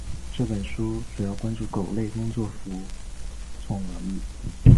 这本书主要关注狗类工作服从能力。